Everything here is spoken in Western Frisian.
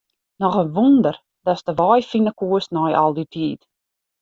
Noch in wûnder datst de wei fine koest nei al dy tiid.